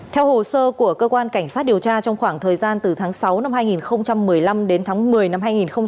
theo hồ sơ của cơ quan cảnh sát điều tra trong khoảng thời gian từ tháng sáu năm hai nghìn một mươi năm đến tháng một mươi năm hai nghìn một mươi bảy